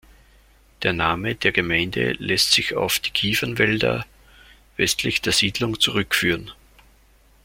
Der Name der Gemeinde lässt sich auf die Kiefernwälder westlich der Siedlung zurückführen.